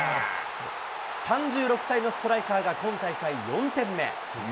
３６歳のストライカーが今大会４点目。